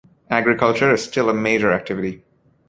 Agriculture is still a major activity.